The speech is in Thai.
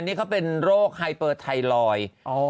นี่เขาเป็นโรคไฮเปอร์ไทรอยด์